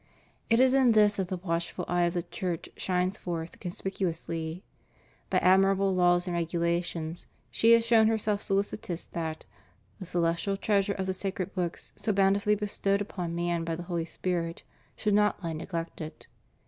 It is in this that the watchful eye of the Church shines forth conspicuously. By admirable laws and regulations, she has shown herself solicitous that " the celestial treasure of the sacred books, so bountifully bestowed upon man by the Holy Spirit, should not he neglected."